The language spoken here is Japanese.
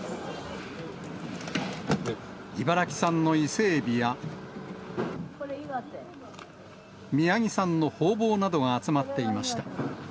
茨城産のイセエビや、宮城産のホウボウなどが集まっていました。